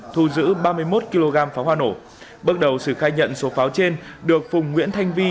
thu giữ ba mươi một kg pháo hoa nổ bước đầu sử khai nhận số pháo trên được phùng nguyễn thanh vi